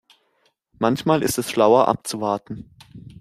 Manchmal ist es schlauer abzuwarten.